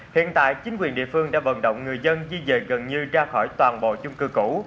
hiện tại chính quyền địa phương đã vận động người dân di dời gần như ra khỏi toàn bộ chung cư cũ